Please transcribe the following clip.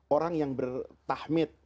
orang yang bertahmid